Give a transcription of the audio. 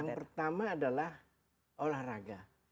yang pertama adalah olahraga